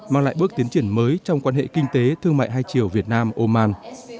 mang lại bước tiến triển mới trong quan hệ kinh tế thương mại hai chiều việt nam oman